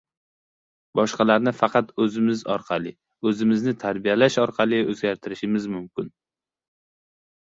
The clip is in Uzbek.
Boshqalarni faqat oʻzimiz orqali, oʻzimizni tarbiyalash orqali oʻzgartirishimiz mumkin.